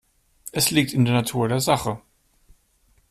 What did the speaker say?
Es liegt in der Natur der Sache.